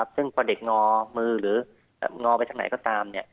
ซึ่งพอเด็กงอมือหรืองอไปทางไหนก็ตาม